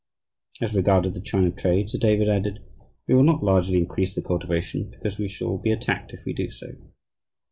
As regarded the China trade, Sir David added: "We will not largely increase the cultivation because we shall be attacked if we do so."